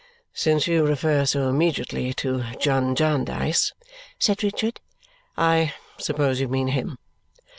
"Since you refer so immediately to John Jarndyce," said Richard, " I suppose you mean him?"